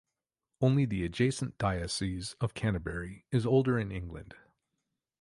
Only the adjacent Diocese of Canterbury is older in England.